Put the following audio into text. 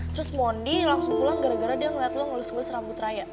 terus mondi langsung pulang gara gara dia ngeliat lo ngulus ngelus rambut raya